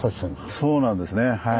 そうなんですね。